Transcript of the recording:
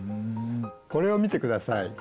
これを見てください。